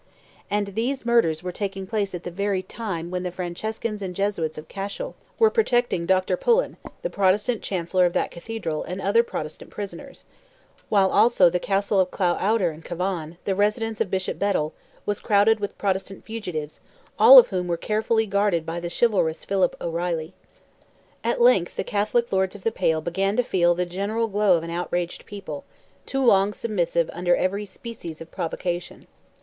And these murders were taking place at the very time when the Franciscans and Jesuits of Cashel were protecting Dr. Pullen, the Protestant Chancellor of that Cathedral and other Protestant prisoners; while also the Castle of Cloughouter, in Cavan, the residence of Bishop Bedell, was crowded with Protestant fugitives, all of whom were carefully guarded by the chivalrous Philip O'Reilly. At length the Catholic Lords of the Pale began to feel the general glow of an outraged people, too long submissive under every species of provocation.